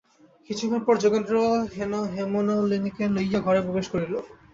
কিছুক্ষণ পরে যোগেন্দ্র হেমনলিনীকে লইয়া ঘরে প্রবেশ করিল।